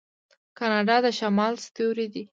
کاناډا د شمال ستوری دی.